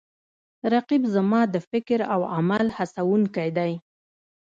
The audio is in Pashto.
رقیب زما د فکر او عمل هڅوونکی دی